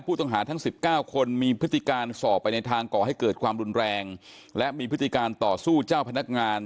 ผู้ต้องหาทั้ง๑๙คนมีพฤติการสอบไปในทางก่อให้เกิดความรุนแรงและมีพฤติการต่อสู้เจ้าพนักงาน